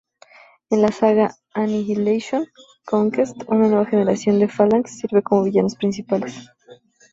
En la saga "Annihilation: Conquest", una nueva generación de Phalanx sirve como villanos principales.